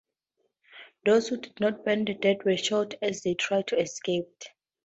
Those who did not burn to death were shot as they tried to escape.